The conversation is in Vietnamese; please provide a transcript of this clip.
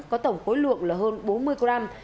có tổng cối luộng là hơn bốn mươi gram